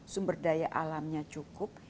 sumber daya alamnya cukup